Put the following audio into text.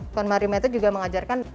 konmari metode juga mengajarkan